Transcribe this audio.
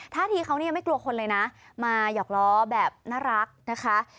ท่าทีเขาเนี่ยยังไม่กลัวคนเลยนะมาหยอกล้อแบบน่ารักนะคะ